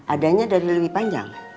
adanya dari lebih panjang